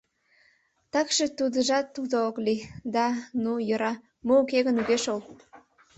Такше тудыжат уто ок лий, да, ну, йӧра — мо уке гын, уке шол.